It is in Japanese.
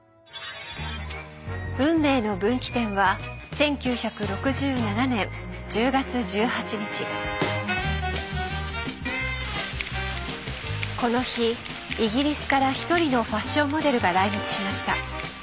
運命の分岐点はこの日イギリスから一人のファッションモデルが来日しました。